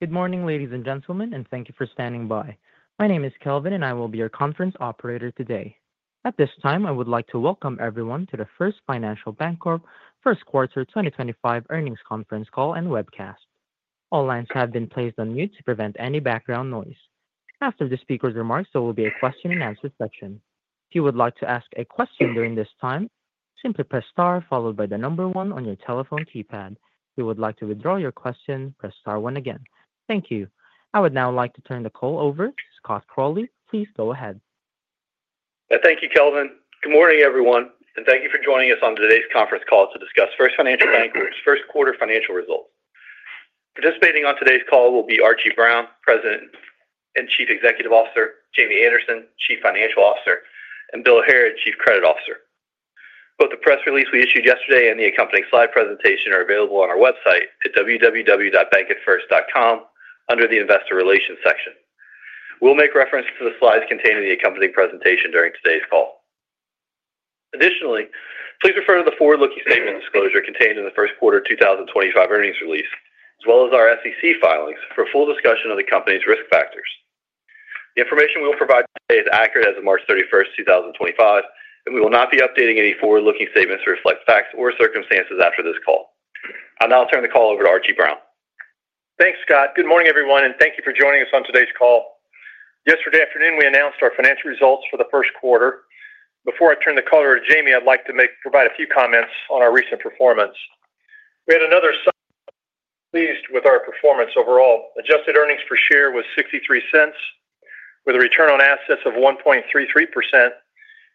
Good morning, ladies and gentlemen, and thank you for standing by. My name is Kelvin, and I will be your conference operator today. At this time, I would like to welcome everyone to the First Financial Bancorp First Quarter 2025 Earnings Conference Call and Webcast. All lines have been placed on mute to prevent any background noise. After the speaker's remarks, there will be a question-and-answer session. If you would like to ask a question during this time, simply press star followed by the number one on your telephone keypad. If you would like to withdraw your question, press star one again. Thank you. I would now like to turn the call over to Scott Crawley. Please go ahead. Thank you, Kelvin. Good morning, everyone, and thank you for joining us on today's conference call to discuss First Financial Bancorp's first quarter financial results. Participating on today's call will be Archie Brown, President and Chief Executive Officer; Jamie Anderson, Chief Financial Officer; and Bill Harrod, Chief Credit Officer. Both the press release we issued yesterday and the accompanying slide presentation are available on our website at www.bankatfirst.com under the Investor Relations section. We will make reference to the slides contained in the accompanying presentation during today's call. Additionally, please refer to the forward-looking statement disclosure contained in the first quarter 2025 earnings release, as well as our SEC filings, for a full discussion of the company's risk factors. The information we will provide today is accurate as of March 31, 2025, and we will not be updating any forward-looking statements to reflect facts or circumstances after this call. I'll now turn the call over to Archie Brown. Thanks, Scott. Good morning, everyone, and thank you for joining us on today's call. Yesterday afternoon, we announced our financial results for the first quarter. Before I turn the call over to Jamie, I'd like to provide a few comments on our recent performance. We had another strong quarter and are pleased with our performance overall. Adjusted earnings per share was $0.63, with a return on assets of 1.33%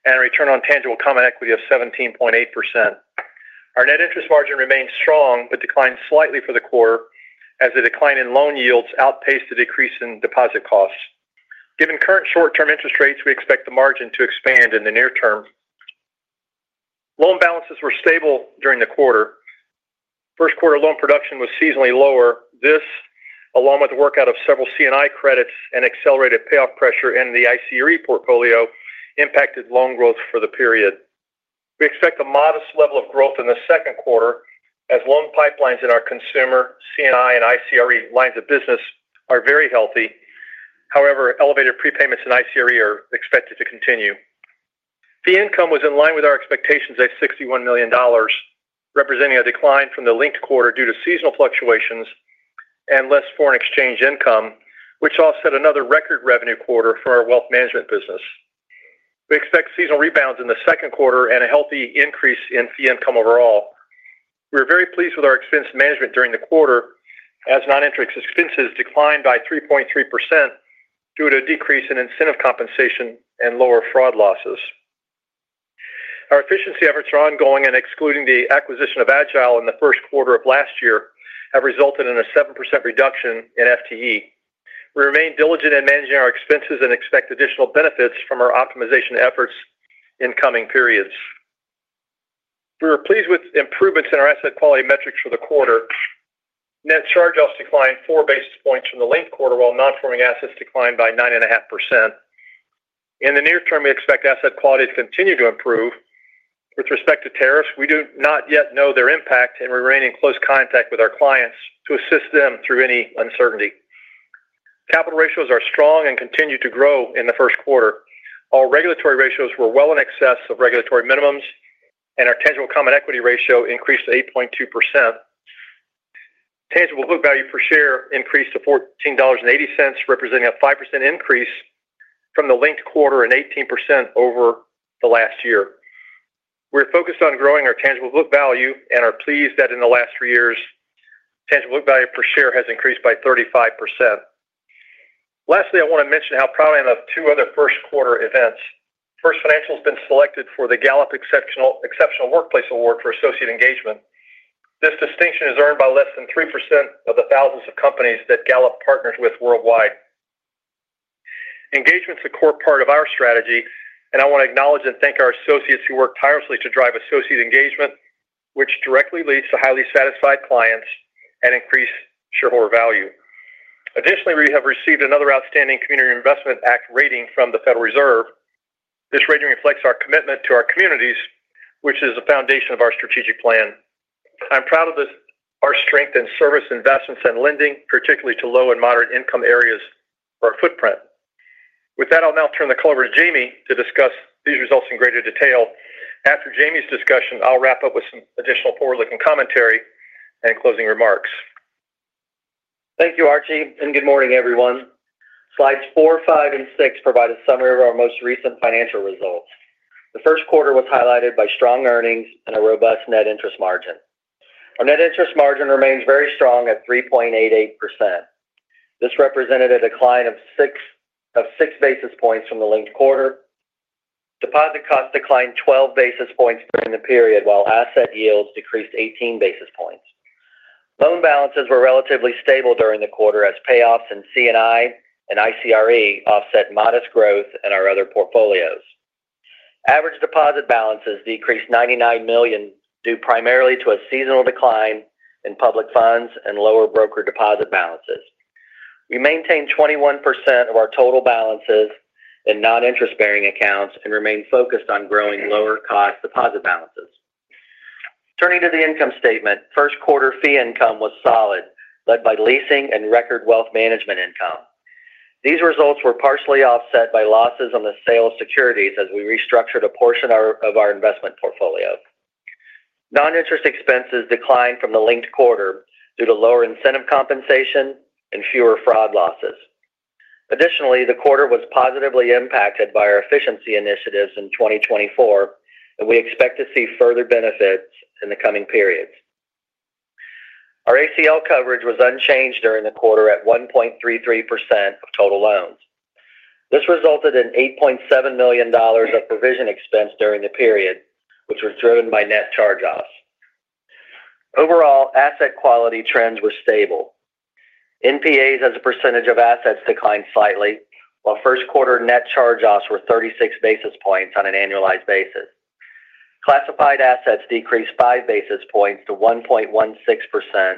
and a return on tangible common equity of 17.8%. Our net interest margin remained strong but declined slightly for the quarter, as the decline in loan yields outpaced the decrease in deposit costs. Given current short-term interest rates, we expect the margin to expand in the near term. Loan balances were stable during the quarter. First-quarter loan production was seasonally lower. This, along with the workout of several C&I credits and accelerated payoff pressure in the ICRE portfolio, impacted loan growth for the period. We expect a modest level of growth in the second quarter, as loan pipelines in our consumer, C&I, and ICRE lines of business are very healthy. However, elevated prepayments in ICRE are expected to continue. Fee income was in line with our expectations at $61 million, representing a decline from the linked quarter due to seasonal fluctuations and less foreign exchange income, which offset another record revenue quarter for our wealth management business. We expect seasonal rebounds in the second quarter and a healthy increase in fee income overall. We are very pleased with our expense management during the quarter, as non-interest expenses declined by 3.3% due to a decrease in incentive compensation and lower fraud losses. Our efficiency efforts are ongoing, and excluding the acquisition of Agile in the first quarter of last year, have resulted in a 7% reduction in FTE. We remain diligent in managing our expenses and expect additional benefits from our optimization efforts in coming periods. We were pleased with improvements in our asset quality metrics for the quarter. Net charge-offs declined four basis points from the linked quarter, while non-performing assets declined by 9.5%. In the near term, we expect asset quality to continue to improve. With respect to tariffs, we do not yet know their impact, and we remain in close contact with our clients to assist them through any uncertainty. Capital ratios are strong and continue to grow in the first quarter. Our regulatory ratios were well in excess of regulatory minimums, and our tangible common equity ratio increased to 8.2%. Tangible book value per share increased to $14.80, representing a 5% increase from the linked quarter and 18% over the last year. We're focused on growing our tangible book value and are pleased that in the last three years, tangible book value per share has increased by 35%. Lastly, I want to mention how proud I am of two other first-quarter events. First Financial has been selected for the Gallup Exceptional Workplace Award for Associate Engagement. This distinction is earned by less than 3% of the thousands of companies that Gallup partners with worldwide. Engagement is a core part of our strategy, and I want to acknowledge and thank our associates who work tirelessly to drive associate engagement, which directly leads to highly satisfied clients and increased shareholder value. Additionally, we have received another outstanding Community Reinvestment Act rating from the Federal Reserve. This rating reflects our commitment to our communities, which is the foundation of our strategic plan. I'm proud of our strength in service, investments, and lending, particularly to low and moderate-income areas for our footprint. With that, I'll now turn the call over to Jamie to discuss these results in greater detail. After Jamie's discussion, I'll wrap up with some additional forward-looking commentary and closing remarks. Thank you, Archie, and good morning, everyone. Slides 4, 5, and 6 provide a summary of our most recent financial results. The first quarter was highlighted by strong earnings and a robust net interest margin. Our net interest margin remains very strong at 3.88%. This represented a decline of 6 basis points from the linked quarter. Deposit costs declined 12 basis points during the period, while asset yields decreased 18 basis points. Loan balances were relatively stable during the quarter, as payoffs in C&I and ICRE offset modest growth in our other portfolios. Average deposit balances decreased $99 million due primarily to a seasonal decline in public funds and lower broker deposit balances. We maintained 21% of our total balances in non-interest-bearing accounts and remained focused on growing lower-cost deposit balances. Turning to the income statement, first-quarter fee income was solid, led by leasing and record wealth management income. These results were partially offset by losses on the sale of securities as we restructured a portion of our investment portfolio. Non-interest expenses declined from the linked quarter due to lower incentive compensation and fewer fraud losses. Additionally, the quarter was positively impacted by our efficiency initiatives in 2024, and we expect to see further benefits in the coming periods. Our ACL coverage was unchanged during the quarter at 1.33% of total loans. This resulted in $8.7 million of provision expense during the period, which was driven by net charge-offs. Overall, asset quality trends were stable. NPAs, as a percentage of assets, declined slightly, while first-quarter net charge-offs were 36 basis points on an annualized basis. Classified assets decreased 5 basis points to 1.16%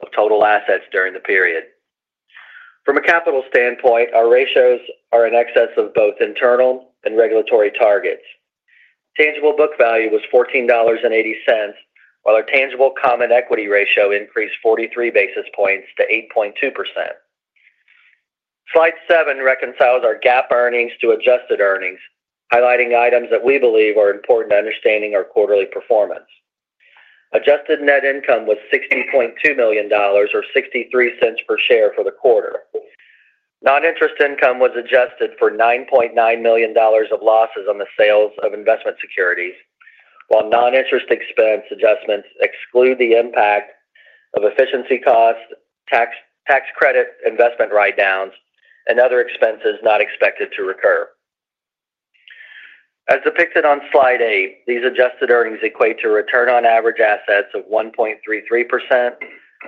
of total assets during the period. From a capital standpoint, our ratios are in excess of both internal and regulatory targets. Tangible book value was $14.80, while our tangible common equity ratio increased 43 basis points to 8.2%. Slide 7 reconciles our GAAP earnings to adjusted earnings, highlighting items that we believe are important to understanding our quarterly performance. Adjusted net income was $60.2 million, or $0.63 per share for the quarter. Non-interest income was adjusted for $9.9 million of losses on the sales of investment securities, while non-interest expense adjustments exclude the impact of efficiency costs, tax credit investment write-downs, and other expenses not expected to recur. As depicted on Slide 8, these adjusted earnings equate to a return on average assets of 1.33%,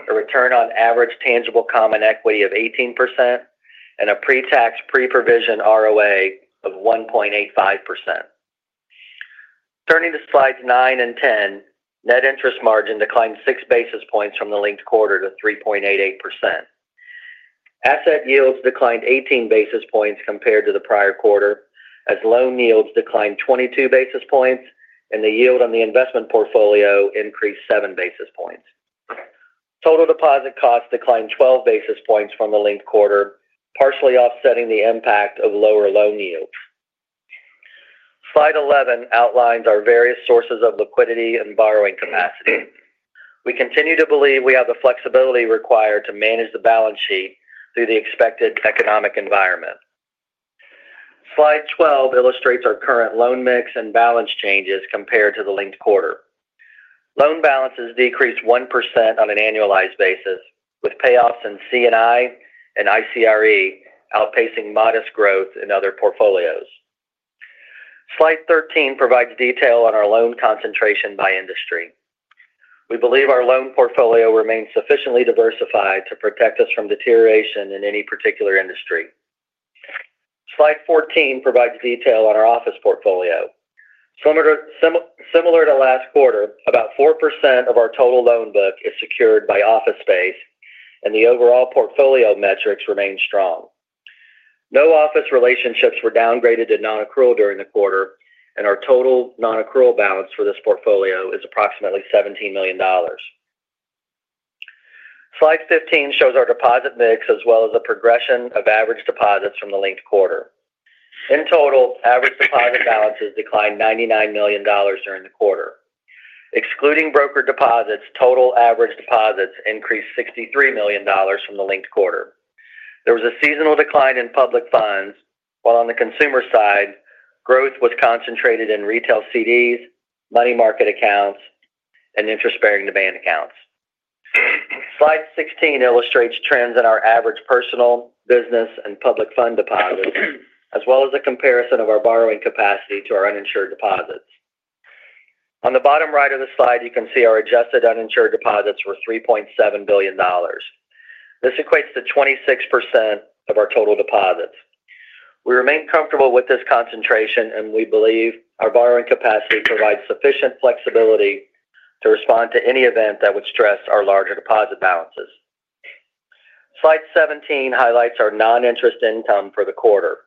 a return on average tangible common equity of 18%, and a pre-tax pre-provision ROA of 1.85%. Turning to Slides 9 and 10, net interest margin declined 6 basis points from the linked quarter to 3.88%. Asset yields declined 18 basis points compared to the prior quarter, as loan yields declined 22 basis points and the yield on the investment portfolio increased 7 basis points. Total deposit costs declined 12 basis points from the linked quarter, partially offsetting the impact of lower loan yields. Slide 11 outlines our various sources of liquidity and borrowing capacity. We continue to believe we have the flexibility required to manage the balance sheet through the expected economic environment. Slide 12 illustrates our current loan mix and balance changes compared to the linked quarter. Loan balances decreased 1% on an annualized basis, with payoffs in C&I and ICRE outpacing modest growth in other portfolios. Slide 13 provides detail on our loan concentration by industry. We believe our loan portfolio remains sufficiently diversified to protect us from deterioration in any particular industry. Slide 14 provides detail on our office portfolio. Similar to last quarter, about 4% of our total loan book is secured by office space, and the overall portfolio metrics remain strong. No office relationships were downgraded to non-accrual during the quarter, and our total non-accrual balance for this portfolio is approximately $17 million. Slide 15 shows our deposit mix as well as a progression of average deposits from the linked quarter. In total, average deposit balances declined $99 million during the quarter. Excluding broker deposits, total average deposits increased $63 million from the linked quarter. There was a seasonal decline in public funds, while on the consumer side, growth was concentrated in retail CDs, money market accounts, and interest-bearing demand accounts. Slide 16 illustrates trends in our average personal, business, and public fund deposits, as well as a comparison of our borrowing capacity to our uninsured deposits. On the bottom right of the slide, you can see our adjusted uninsured deposits were $3.7 billion. This equates to 26% of our total deposits. We remain comfortable with this concentration, and we believe our borrowing capacity provides sufficient flexibility to respond to any event that would stress our larger deposit balances. Slide 17 highlights our non-interest income for the quarter.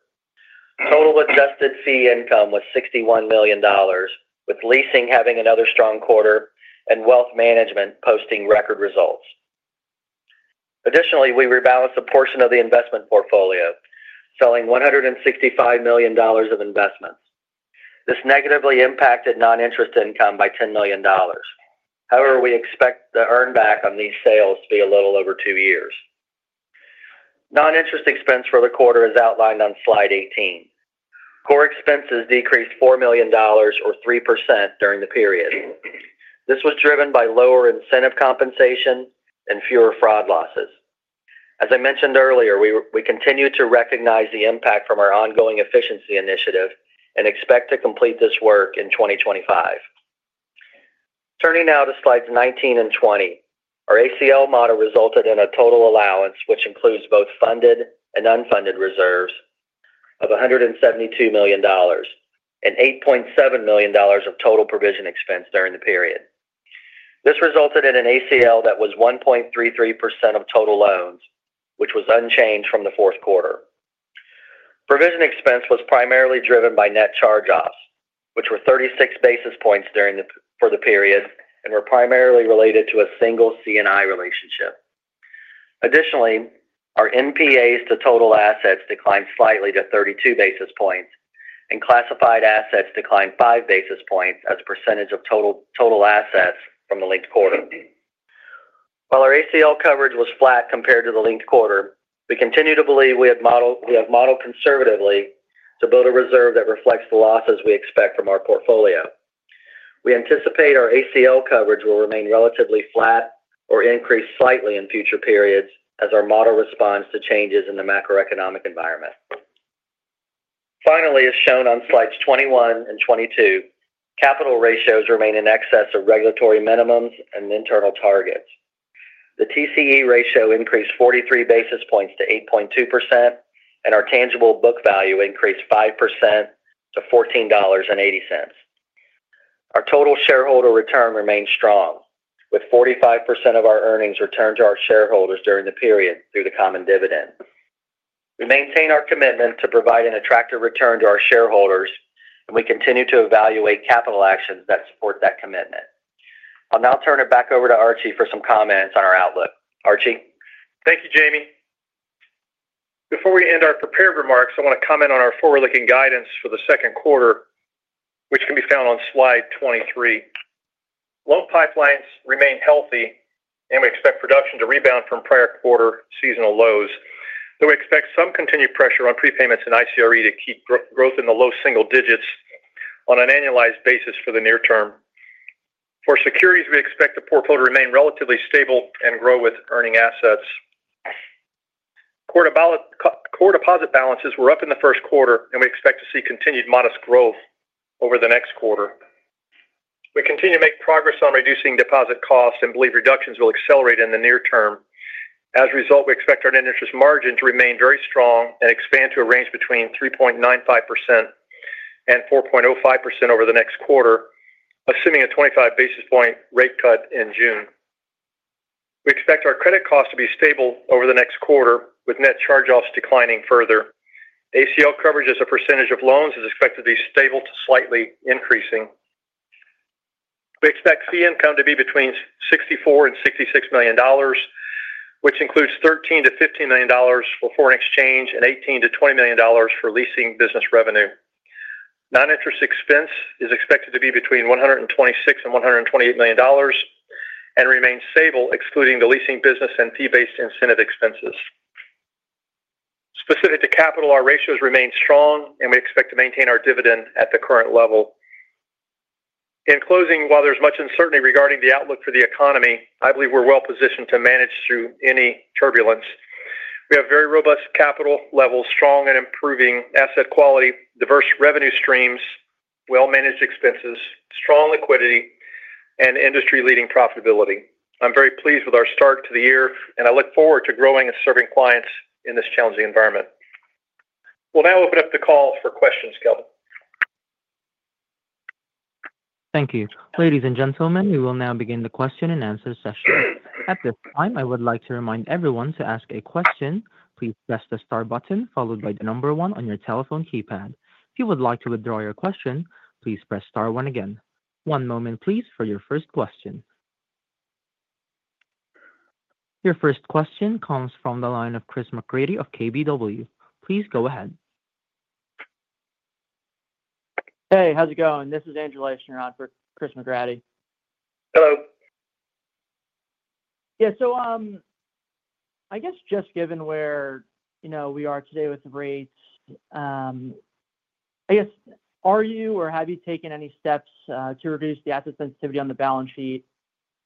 Total adjusted fee income was $61 million, with leasing having another strong quarter and wealth management posting record results. Additionally, we rebalanced a portion of the investment portfolio, selling $165 million of investments. This negatively impacted non-interest income by $10 million. However, we expect the earn back on these sales to be a little over two years. Non-interest expense for the quarter is outlined on slide 18. Core expenses decreased $4 million, or 3%, during the period. This was driven by lower incentive compensation and fewer fraud losses. As I mentioned earlier, we continue to recognize the impact from our ongoing efficiency initiative and expect to complete this work in 2025. Turning now to Slides 19 and 20, our ACL model resulted in a total allowance, which includes both funded and unfunded reserves, of $172 million and $8.7 million of total provision expense during the period. This resulted in an ACL that was 1.33% of total loans, which was unchanged from the fourth quarter. Provision expense was primarily driven by net charge-offs, which were 36 basis points for the period and were primarily related to a single C&I relationship. Additionally, our NPAs to total assets declined slightly to 32 basis points, and classified assets declined 5 basis points as a percentage of total assets from the linked quarter. While our ACL coverage was flat compared to the linked quarter, we continue to believe we have modeled conservatively to build a reserve that reflects the losses we expect from our portfolio. We anticipate our ACL coverage will remain relatively flat or increase slightly in future periods as our model responds to changes in the macroeconomic environment. Finally, as shown on slides 21 and 22, capital ratios remain in excess of regulatory minimums and internal targets. The TCE ratio increased 43 basis points to 8.2%, and our tangible book value increased 5% to $14.80. Our total shareholder return remains strong, with 45% of our earnings returned to our shareholders during the period through the common dividend. We maintain our commitment to provide an attractive return to our shareholders, and we continue to evaluate capital actions that support that commitment. I'll now turn it back over to Archie for some comments on our outlook. Archie? Thank you, Jamie. Before we end our prepared remarks, I want to comment on our forward-looking guidance for the second quarter, which can be found on Slide 23. Loan pipelines remain healthy, and we expect production to rebound from prior quarter seasonal lows. We expect some continued pressure on prepayments and ICRE to keep growth in the low single digits on an annualized basis for the near term. For securities, we expect the portfolio to remain relatively stable and grow with earning assets. Core deposit balances were up in the first quarter, and we expect to see continued modest growth over the next quarter. We continue to make progress on reducing deposit costs and believe reductions will accelerate in the near term. As a result, we expect our net interest margin to remain very strong and expand to a range between 3.95% and 4.05% over the next quarter, assuming a 25 basis point rate cut in June. We expect our credit costs to be stable over the next quarter, with net charge-offs declining further. ACL coverage as a percentage of loans is expected to be stable to slightly increasing. We expect fee income to be between $64 million and $66 million, which includes $13 million to $15 million for foreign exchange and $18 million to $20 million for leasing business revenue. Non-interest expense is expected to be between $126 million and $128 million and remain stable, excluding the leasing business and fee-based incentive expenses. Specific to capital, our ratios remain strong, and we expect to maintain our dividend at the current level. In closing, while there's much uncertainty regarding the outlook for the economy, I believe we're well-positioned to manage through any turbulence. We have very robust capital levels, strong and improving asset quality, diverse revenue streams, well-managed expenses, strong liquidity, and industry-leading profitability. I'm very pleased with our start to the year, and I look forward to growing and serving clients in this challenging environment. We'll now open up the call for questions, Kelvin. Thank you. Ladies and gentlemen, we will now begin the question and answer session. At this time, I would like to remind everyone to ask a question. Please press the star button followed by the number one on your telephone keypad. If you would like to withdraw your question, please press star one again. One moment, please, for your first question. Your first question comes from the line of Chris McGratty of KBW. Please go ahead. Hey, how's it going? This is Andrew Stimpson for Chris McGratty. Hello. Yeah, I guess just given where we are today with the rates, I guess, are you or have you taken any steps to reduce the asset sensitivity on the balance sheet?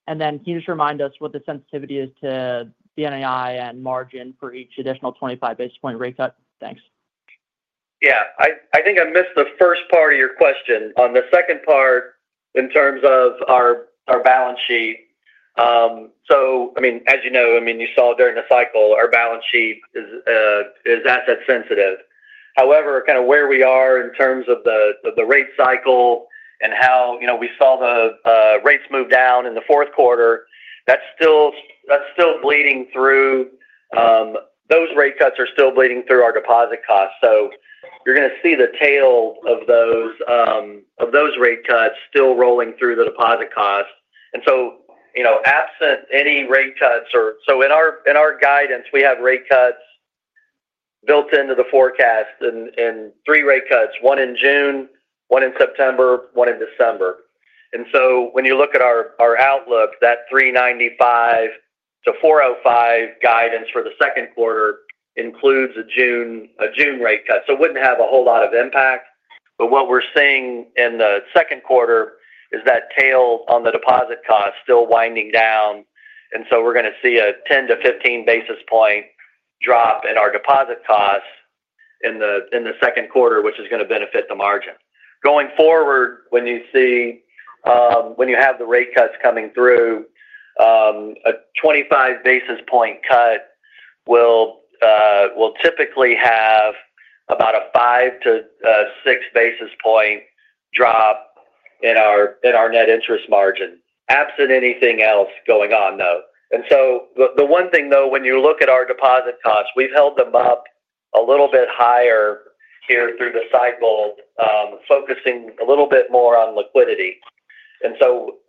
Can you just remind us what the sensitivity is to the NII and margin for each additional 25 basis point rate cut? Thanks. Yeah, I think I missed the first part of your question. On the second part, in terms of our balance sheet, I mean, as you know, you saw during the cycle, our balance sheet is asset-sensitive. However, kind of where we are in terms of the rate cycle and how we saw the rates move down in the fourth quarter, that's still bleeding through. Those rate cuts are still bleeding through our deposit costs. You are going to see the tail of those rate cuts still rolling through the deposit costs. Absent any rate cuts or so in our guidance, we have rate cuts built into the forecast and three rate cuts, one in June, one in September, one in December. When you look at our outlook, that 3.95%-4.05% guidance for the second quarter includes a June rate cut. It would not have a whole lot of impact, but what we are seeing in the second quarter is that tail on the deposit costs still winding down. We are going to see a 10-15 basis point drop in our deposit costs in the second quarter, which is going to benefit the margin. Going forward, when you have the rate cuts coming through, a 25 basis point cut will typically have about a 5-6 basis point drop in our net interest margin, absent anything else going on, though. The one thing, though, when you look at our deposit costs, we have held them up a little bit higher here through the cycle, focusing a little bit more on liquidity.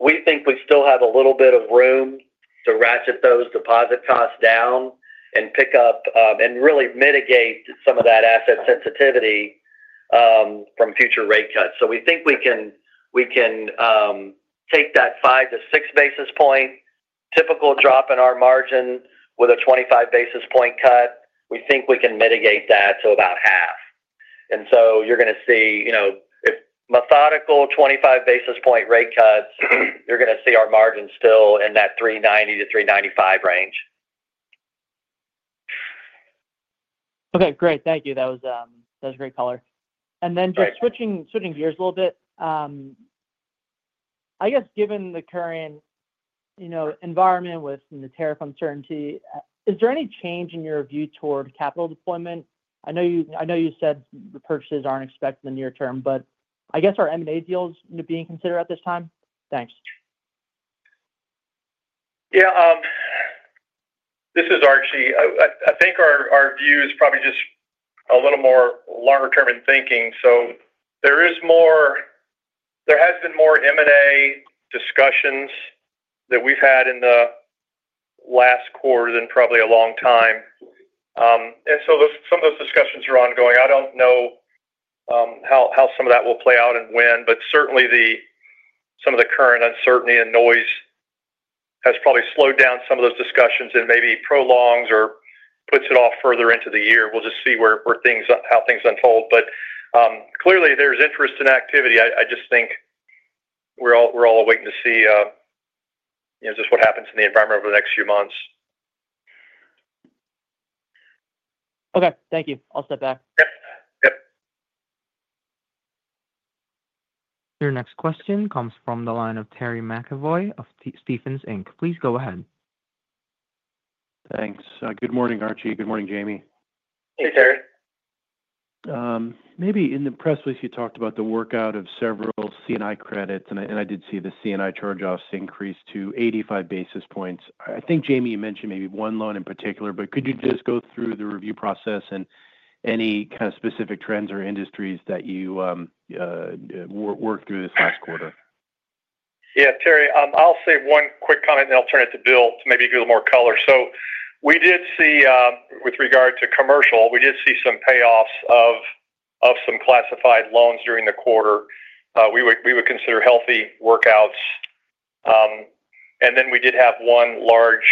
We think we still have a little bit of room to ratchet those deposit costs down and pick up and really mitigate some of that asset sensitivity from future rate cuts. We think we can take that 5-6 basis point typical drop in our margin with a 25 basis point cut. We think we can mitigate that to about half. If you are going to see methodical 25 basis point rate cuts, you are going to see our margin still in that 3.90%-3.95% range. Okay, great. Thank you. That was great color. Just switching gears a little bit, I guess given the current environment with the tariff uncertainty, is there any change in your view toward capital deployment? I know you said the purchases aren't expected in the near term, but I guess are M&A deals being considered at this time? Thanks. Yeah, this is Archie. I think our view is probably just a little more longer-term in thinking. There has been more M&A discussions that we've had in the last quarter than probably a long time. Some of those discussions are ongoing. I don't know how some of that will play out and when, but certainly some of the current uncertainty and noise has probably slowed down some of those discussions and maybe prolongs or puts it off further into the year. We'll just see how things unfold. Clearly, there's interest in activity. I just think we're all waiting to see just what happens in the environment over the next few months. Okay, thank you. I'll step back. Yep, yep. Your next question comes from the line of Terry McEvoy of Stephens Inc. Please go ahead. Thanks. Good morning, Archie. Good morning, Jamie. Hey, Terry. Maybe in the press release, you talked about the workout of several C&I credits, and I did see the C&I charge-offs increase to 85 basis points. I think, Jamie, you mentioned maybe one loan in particular, but could you just go through the review process and any kind of specific trends or industries that you worked through this last quarter? Yeah, Terry, I'll say one quick comment, and I'll turn it to Bill to maybe give a little more color. We did see, with regard to commercial, we did see some payoffs of some classified loans during the quarter. We would consider healthy workouts. We did have one large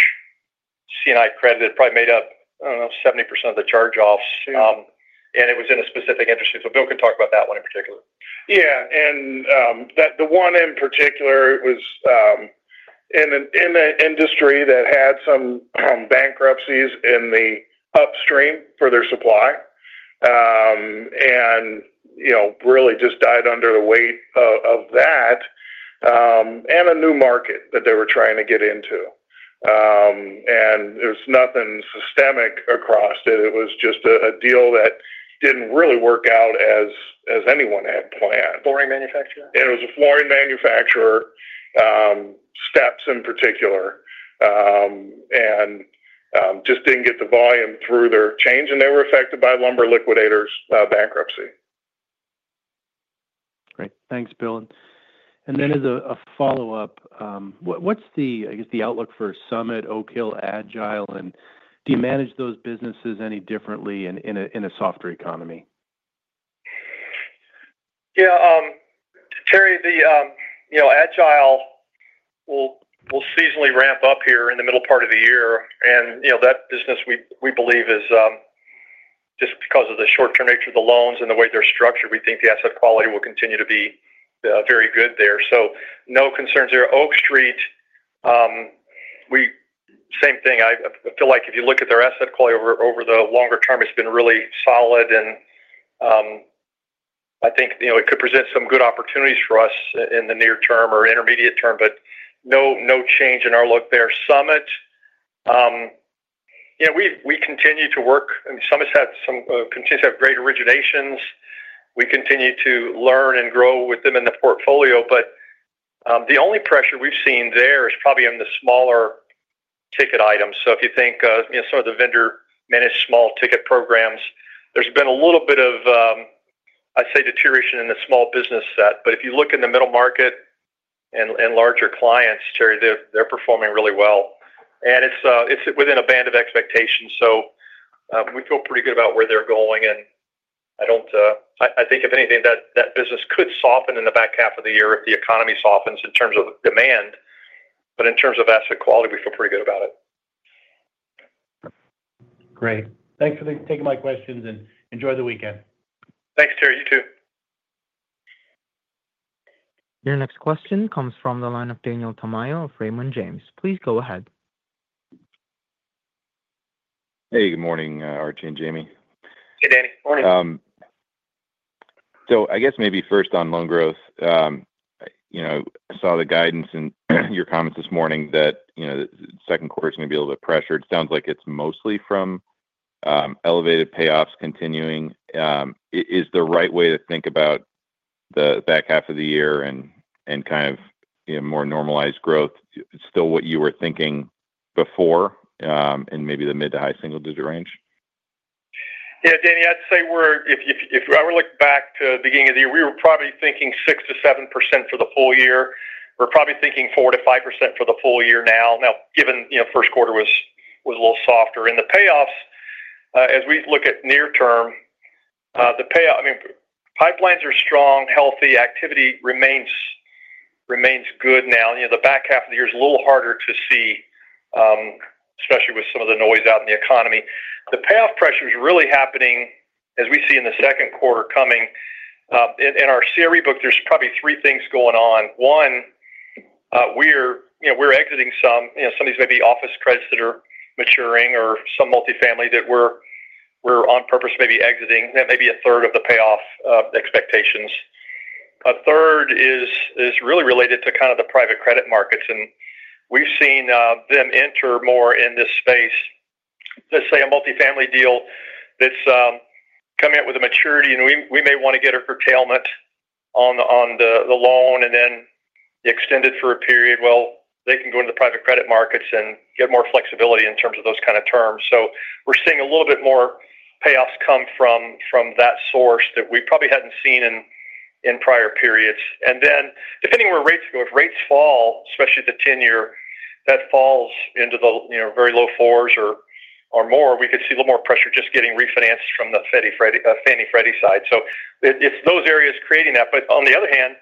C&I credit that probably made up, I don't know, 70% of the charge-offs, and it was in a specific industry. Bill can talk about that one in particular. Yeah, the one in particular was in an industry that had some bankruptcies in the upstream for their supply and really just died under the weight of that and a new market that they were trying to get into. There was nothing systemic across it. It was just a deal that did not really work out as anyone had planned. Flooring manufacturer? It was a flooring manufacturer, steps in particular, and just did not get the volume through their change, and they were affected by a Lumber Liquidators bankruptcy. Great. Thanks, Bill. As a follow-up, what's the, I guess, the outlook for Summit, Oak Street, Agile? And do you manage those businesses any differently in a softer economy? Yeah, Terry, the Agile will seasonally ramp up here in the middle part of the year. That business, we believe, is just because of the short-term nature of the loans and the way they're structured, we think the asset quality will continue to be very good there. No concerns there. Oak Street, same thing. I feel like if you look at their asset quality over the longer term, it's been really solid. I think it could present some good opportunities for us in the near term or intermediate term, but no change in our look there. Summit, we continue to work. I mean, Summit continues to have great originations. We continue to learn and grow with them in the portfolio. The only pressure we've seen there is probably in the smaller ticket items. If you think some of the vendor-managed small ticket programs, there's been a little bit of, I'd say, deterioration in the small business set. If you look in the middle market and larger clients, Terry, they're performing really well. It's within a band of expectations. We feel pretty good about where they're going. I think, if anything, that business could soften in the back half of the year if the economy softens in terms of demand. In terms of asset quality, we feel pretty good about it. Great. Thanks for taking my questions, and enjoy the weekend. Thanks, Terry. You too. Your next question comes from the line of Daniel Tamayo of Raymond James. Please go ahead. Hey, good morning, Archie and Jamie. Hey, Danny. Morning. I guess maybe first on loan growth, I saw the guidance and your comments this morning that the second quarter is going to be a little bit pressured. It sounds like it's mostly from elevated payoffs continuing. Is the right way to think about the back half of the year and kind of more normalized growth still what you were thinking before in maybe the mid to high single-digit range? Yeah, Danny, I'd say if I were to look back to the beginning of the year, we were probably thinking 6-7% for the full year. We're probably thinking 4-5% for the full year now. Now, given the first quarter was a little softer. The payoffs, as we look at near term, the payoff, I mean, pipelines are strong, healthy. Activity remains good now. The back half of the year is a little harder to see, especially with some of the noise out in the economy. The payoff pressure is really happening, as we see in the second quarter coming. In our CRE book, there's probably three things going on. One, we're exiting some. Some of these may be office credits that are maturing or some multifamily that we're on purpose maybe exiting. That may be a third of the payoff expectations. A third is really related to kind of the private credit markets. We've seen them enter more in this space. Let's say a multifamily deal that's coming up with a maturity, and we may want to get a curtailment on the loan and then extend it for a period. They can go into the private credit markets and get more flexibility in terms of those kind of terms. We're seeing a little bit more payoffs come from that source that we probably hadn't seen in prior periods. Depending on where rates go, if rates fall, especially the 10-year, that falls into the very low fours or more, we could see a little more pressure just getting refinanced from the Fannie Freddie side. It's those areas creating that. On the other hand,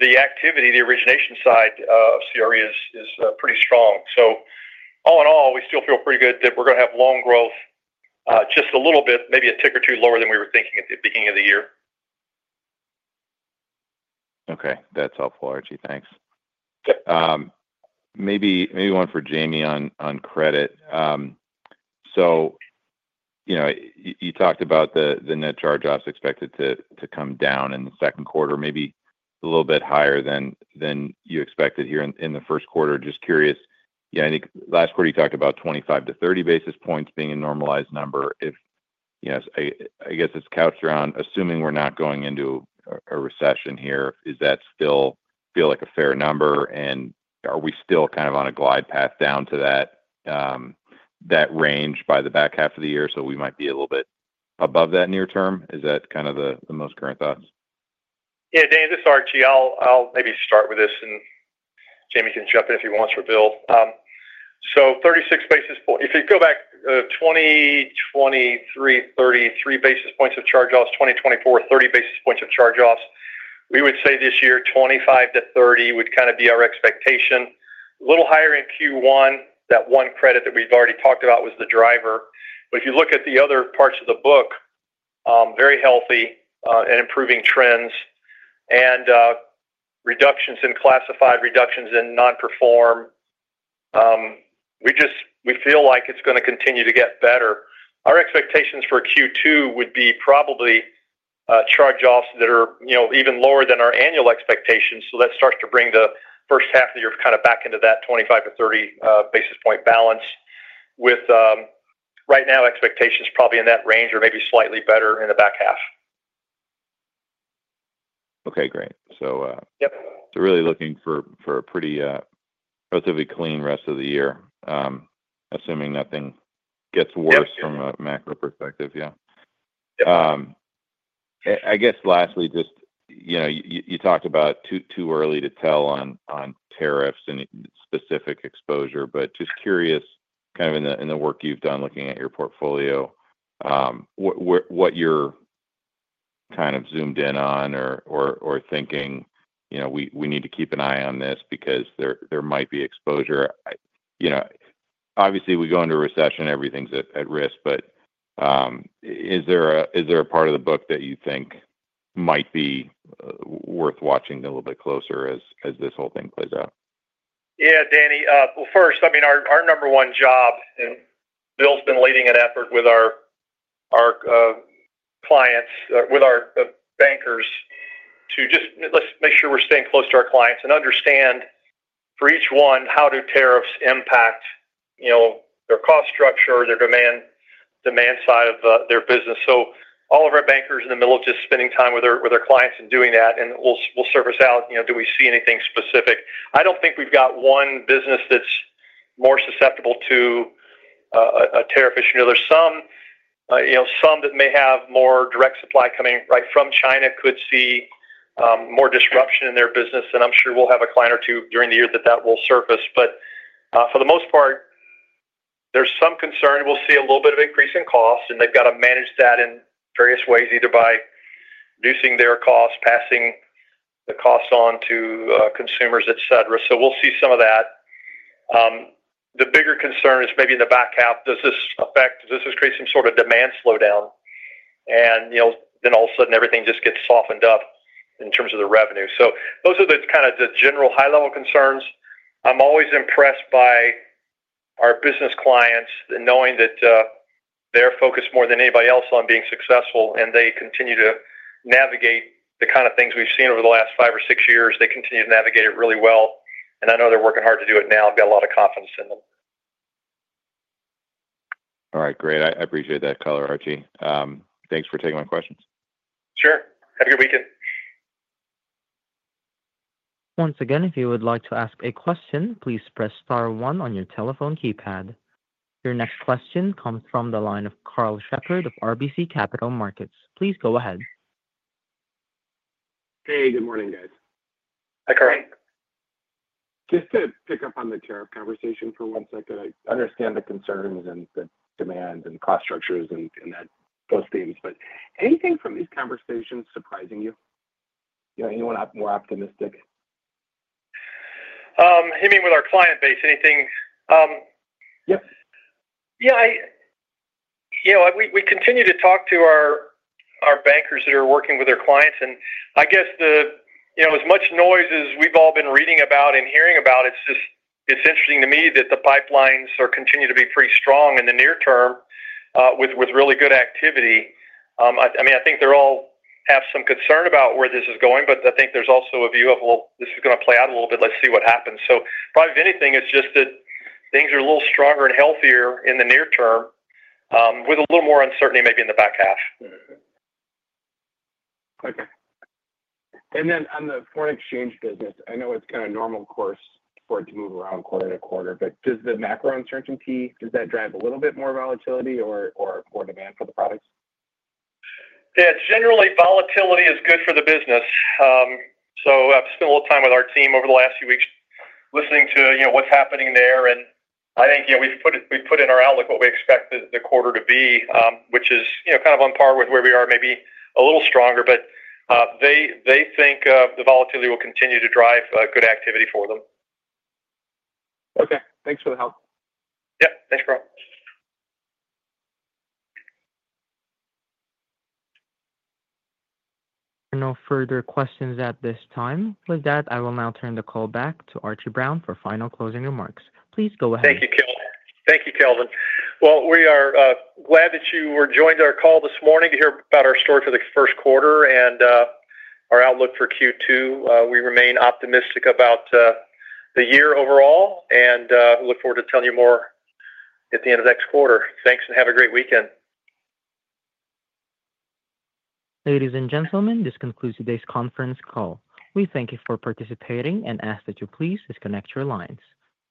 the activity, the origination side of CRE is pretty strong. All in all, we still feel pretty good that we're going to have loan growth, just a little bit, maybe a tick or two lower than we were thinking at the beginning of the year. Okay, that's helpful, Archie. Thanks. Maybe one for Jamie on credit. You talked about the net charge-offs expected to come down in the second quarter, maybe a little bit higher than you expected here in the first quarter. Just curious, last quarter, you talked about 25 to 30 basis points being a normalized number. I guess it's couched around, assuming we're not going into a recession here, does that still feel like a fair number? Are we still kind of on a glide path down to that range by the back half of the year? We might be a little bit above that near term. Is that kind of the most current thoughts? Yeah, Danny, this is Archie. I'll maybe start with this, and Jamie can jump in if he wants or Bill. Thirty-six basis points. If you go back, 2023, thirty-three basis points of charge-offs. 2024, thirty basis points of charge-offs. We would say this year twenty-five to thirty would kind of be our expectation. A little higher in Q1. That one credit that we've already talked about was the driver. If you look at the other parts of the book, very healthy and improving trends and reductions in classified reductions and non-perform, we feel like it's going to continue to get better. Our expectations for Q2 would be probably charge-offs that are even lower than our annual expectations. That starts to bring the first half of the year kind of back into that 25-30 basis point balance, with right now expectations probably in that range or maybe slightly better in the back half. Okay, great. Really looking for a relatively clean rest of the year, assuming nothing gets worse from a macro perspective. Yeah. I guess lastly, you talked about too early to tell on tariffs and specific exposure, but just curious, kind of in the work you've done looking at your portfolio, what you're kind of zoomed in on or thinking, "We need to keep an eye on this because there might be exposure." Obviously, we go into a recession, everything's at risk, but is there a part of the book that you think might be worth watching a little bit closer as this whole thing plays out? Yeah, Danny. First, I mean, our number one job, and Bill's been leading an effort with our clients, with our bankers, to just let's make sure we're staying close to our clients and understand for each one how do tariffs impact their cost structure, their demand side of their business. All of our bankers are in the middle of just spending time with our clients and doing that, and we'll surface out, do we see anything specific? I don't think we've got one business that's more susceptible to a tariff issue. There's some that may have more direct supply coming right from China that could see more disruption in their business. I'm sure we'll have a client or two during the year that that will surface. For the most part, there's some concern. We'll see a little bit of increase in cost, and they've got to manage that in various ways, either by reducing their costs, passing the costs on to consumers, etc. We'll see some of that. The bigger concern is maybe in the back half, does this affect, does this create some sort of demand slowdown? All of a sudden, everything just gets softened up in terms of the revenue. Those are kind of the general high-level concerns. I'm always impressed by our business clients and knowing that they're focused more than anybody else on being successful, and they continue to navigate the kind of things we've seen over the last five or six years. They continue to navigate it really well. I know they're working hard to do it now. I've got a lot of confidence in them. All right, great. I appreciate that color, Archie. Thanks for taking my questions. Sure. Have a good weekend. Once again, if you would like to ask a question, please press star one on your telephone keypad. Your next question comes from the line of Karl Shepard of RBC Capital Markets. Please go ahead. Hey, good morning, guys. Hi, Karl. Just to pick up on the tariff conversation for one second, I understand the concerns and the demand and cost structures and those themes. Anything from these conversations surprising you? Anyone more optimistic? Him being with our client base, anything. Yep. Yeah, we continue to talk to our bankers that are working with our clients. I guess as much noise as we've all been reading about and hearing about, it's interesting to me that the pipelines continue to be pretty strong in the near term with really good activity. I mean, I think they all have some concern about where this is going, but I think there's also a view of, "Well, this is going to play out a little bit. Let's see what happens." Probably if anything, it's just that things are a little stronger and healthier in the near term with a little more uncertainty maybe in the back half. Okay. On the foreign exchange business, I know it's kind of normal course for it to move around quarter to quarter, but does the macro uncertainty, does that drive a little bit more volatility or more demand for the products? Yeah, generally, volatility is good for the business. I have spent a little time with our team over the last few weeks listening to what is happening there. I think we have put in our outlook what we expect the quarter to be, which is kind of on par with where we are, maybe a little stronger. They think the volatility will continue to drive good activity for them. Okay. Thanks for the help. Yep. Thanks, Karl. No further questions at this time. With that, I will now turn the call back to Archie Brown for final closing remarks. Please go ahead. Thank you, Kelvin. We are glad that you joined our call this morning to hear about our story for the first quarter and our outlook for Q2. We remain optimistic about the year overall, and we look forward to telling you more at the end of next quarter. Thanks, and have a great weekend. Ladies and gentlemen, this concludes today's conference call. We thank you for participating and ask that you please disconnect your lines.